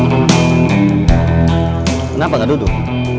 kenapa gak duduk